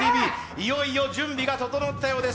いよいよ準備が整ったようです。